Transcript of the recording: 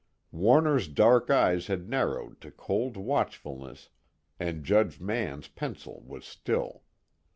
Warner's dark eyes had narrowed to cold watchfulness, and Judge Mann's pencil was still.